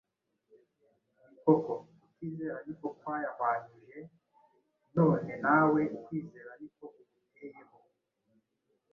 Ni koko: kutizera ni ko kwayahwanyuje, none nawe kwizera ni ko kuguteyeho.